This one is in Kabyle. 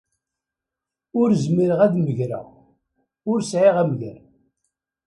Ur zmireɣ ad megreɣ. Ur sɛiɣ amger.